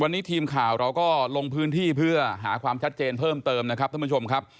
วันนี้ทีมข่าวเราก็ลงพื้นที่เพื่อหาความชัดเจนเพิ่มเติมนะครับท่านผู้ชมครับ